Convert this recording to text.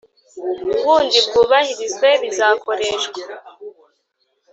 W undi bwubahirizwe bizakoreshwa